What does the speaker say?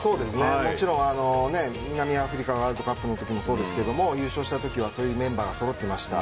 もちろん南アフリカワールドカップのときもそうですけど優勝したときはそういうメンバーそろってました。